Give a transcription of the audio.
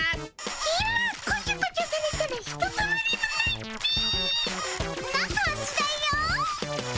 今こちょこちょされたらひとたまりもないっピ。な感じだよ。